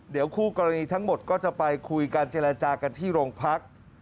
เดี๋ยวคู่กรณีทั้งหมดก็จะไปคุยกันเจรจากันที่โรงพัก